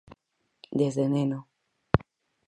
Desde neno.